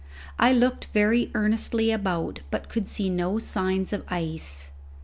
I looked very earnestly around but could see no signs of ice.